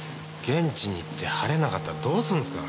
現地に行って晴れなかったらどうするんですか？